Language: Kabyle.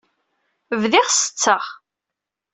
Bdiɣ setteɣ.